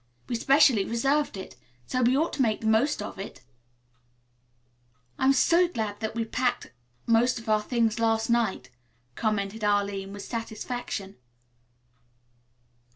We specially reserved it. So we ought to make the most of it." "I'm so glad we packed most of our things last night," commented Arline, with satisfaction.